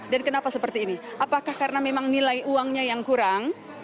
dan kenapa seperti ini apakah karena memang nilai uangnya yang kurang